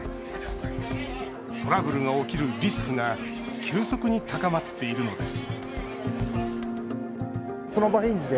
トラブルが起きるリスクが急速に高まっているのです